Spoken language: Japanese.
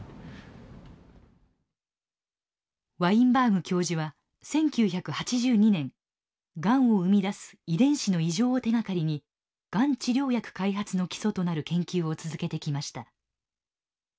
ワインバーグ教授は１９８２年がんを生み出す遺伝子の異常を手がかりにがん治療薬開発の基礎となる研究を続けてきました。